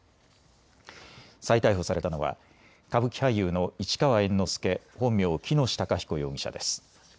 再逮捕されたのは歌舞伎俳優の市川猿之助、本名、喜熨斗孝彦容疑者です。